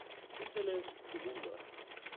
این طلسم شگون دارد.